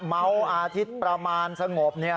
เมาอาทิตย์ประมาณสงบ